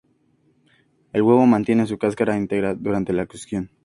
El huevo mantiene su cáscara íntegra durante la cocción.